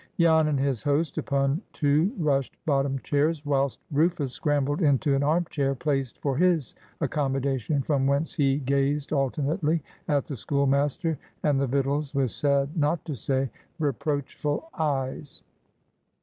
Jan and his host upon two rush bottomed chairs, whilst Rufus scrambled into an armchair placed for his accommodation, from whence he gazed alternately at the schoolmaster and the victuals with sad, not to say reproachful, eyes.